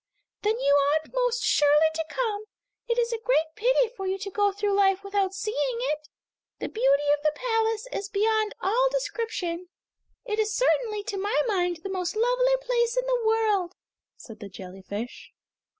"Then you ought most surely to come. It is a great pity for you to go through life without seeing it. The beauty of the palace is beyond all description it is certainly to my mind the most lovely place in the world," said the jellyfish.